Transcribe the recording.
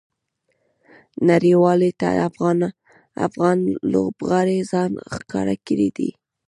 نړۍوالو ته افغان لوبغاړو ځان ښکاره کړى دئ.